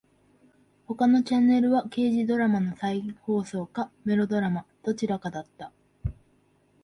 他のチャンネルは刑事ドラマの再放送かメロドラマ。どちらかだった。